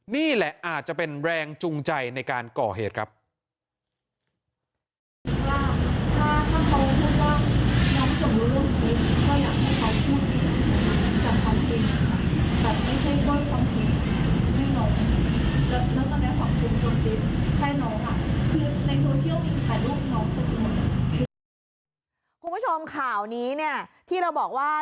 นี่แหละอาจจะเป็นแรงจูงใจในการก่อเหตุครับ